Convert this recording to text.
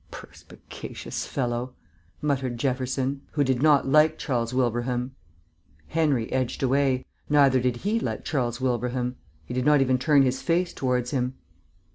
"Perspicacious fellow," muttered Jefferson, who did not like Charles Wilbraham. Henry edged away: neither did he like Charles Wilbraham. He did not even turn his face towards him.